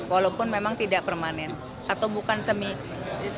walaupun memang tidak permanen atau bukan semi permanen lah